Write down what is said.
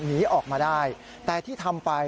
หนีออกมาได้แต่ที่ทำไป